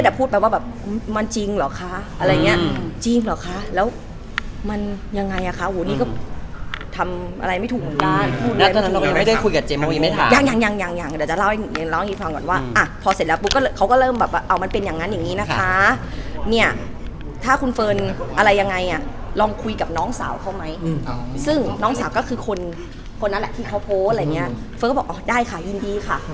ซึ่งน้องสาวก็คือคนนั้นแหละที่เค้าโพสต์อะไรเงี้ยเฟ้อก็บอกอ๋อได้ค่ะยินดีค่ะ